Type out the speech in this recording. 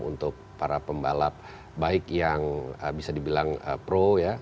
untuk para pembalap baik yang bisa dibilang pro ya